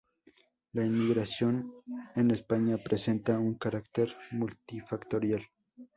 La inmigración en España presenta un carácter multifactorial.